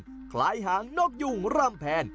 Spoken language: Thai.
มักลายห่างนกหยุงแม่ง